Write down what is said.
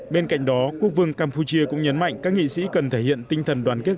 bên cạnh đó quốc vương campuchia cũng nhấn mạnh các nghị sĩ cần thể hiện tinh thần đoàn kết